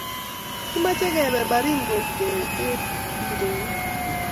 Kimache kepe Baringo ke ker njireniik